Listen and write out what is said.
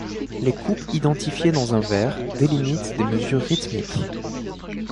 Les coupes identifiées dans un vers délimitent des mesures rythmiques.